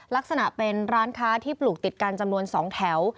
ลักษณะเป็นร้านค้าที่ปลูกติดกันจำนวน๒แถว